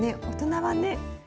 大人はね